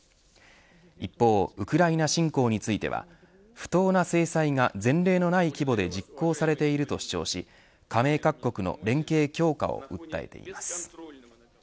一方、ウクライナ侵攻については不当な制裁が前例のない規模で実行されていると主張し加盟各国の連携強化を訴えています。